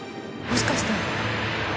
もしかして。